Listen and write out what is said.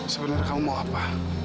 sebenarnya kamu mau apa